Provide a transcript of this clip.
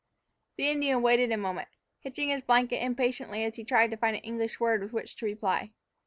The Indian waited a moment, hitching his blanket impatiently as he tried to find an English word with which to reply.